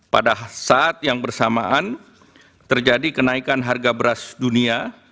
pada saat yang bersamaan terjadi kenaikan harga beras dunia